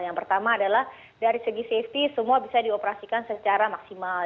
yang pertama adalah dari segi safety semua bisa dioperasikan secara maksimal